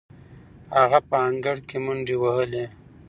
هغه په انګړ کې منډې وهلې.